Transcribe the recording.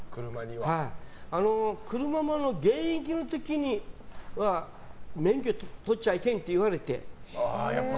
車も現役の時には免許取っちゃいけんって言われて。